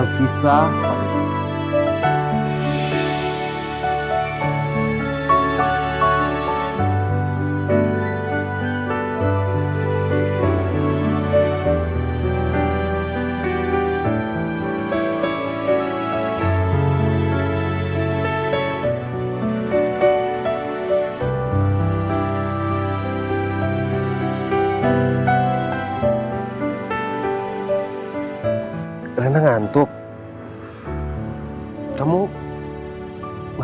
si buruk rupa